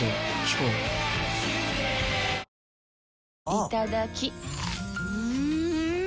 いただきっ！